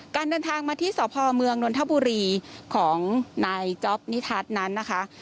การเดินทางมาที่สพเมืองนนทบุรีของนายจ๊อปนิทัศน์นั้นนะคะ